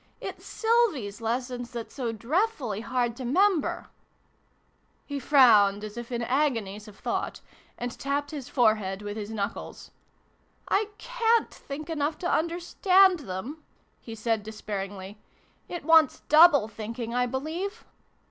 " It's Sylvie s lessons that's so dreffully hard to 'member !'' He frowned, as if in agonies of thought, and tapped his forehead with his knuckles. " I cant think enough to understand them!" he said despairingly. " It wants double thinking, I believe